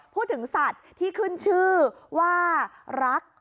พูดถึงสัตว์ที่ขึ้นชื่อว่ารัก